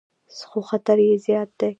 خو خطر یې زیات دی.